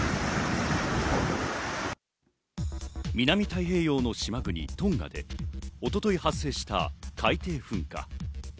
南太平洋の島国・トンガで一昨日発生した海底噴火。